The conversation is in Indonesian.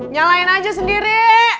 nyalain aja sendiri